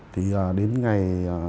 thì đến ngày một mươi một